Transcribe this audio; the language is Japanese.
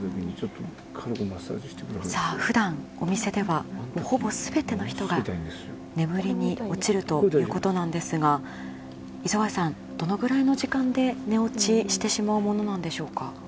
普段お店ではほぼ全ての人が眠りに落ちるということですが磯貝さん、どれくらいの時間で寝落ちしてしまうものでしょうか。